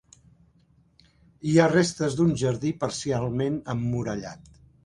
Hi ha restes d'un jardí parcialment emmurallat.